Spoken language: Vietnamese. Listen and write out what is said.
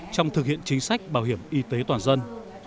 trong thực hiện chính sách bảo hiểm y tế toàn dân